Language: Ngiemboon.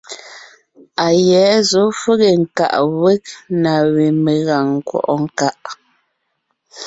A yɛ̌ zɔ̌ fege nkaʼ wég na we megàŋ nkwɔ́ʼɔ nkaʼ.